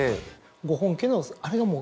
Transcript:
ご本家のあれがもう。